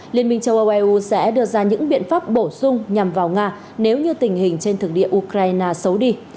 liên minh châu âu eu sẽ đưa ra những biện pháp bổ sung nhằm vào nga nếu như tình hình trên thực địa ukraine xấu đi